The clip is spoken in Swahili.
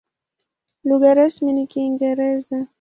Lugha rasmi ni Kiingereza.